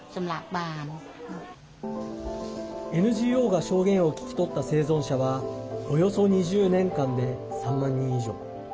ＮＧＯが証言を聞き取った生存者はおよそ２０年間で３万人以上。